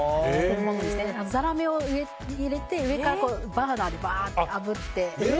ザラメを上に入れて上からバーナーでバーってあぶって。